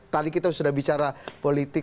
tadi kita sudah bicara politik